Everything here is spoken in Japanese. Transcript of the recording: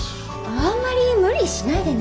あんまり無理しないでね。